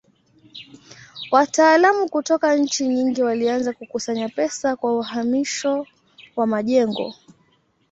Wataalamu kutoka nchi nyingi walianza kukusanya pesa kwa uhamisho wa majengo.